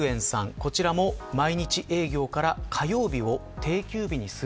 こちらも、毎日営業から火曜日を定休日にする。